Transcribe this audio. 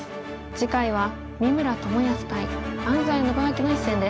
次回は三村智保対安斎伸彰の一戦です。